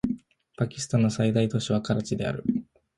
パキスタンの最大都市はカラチである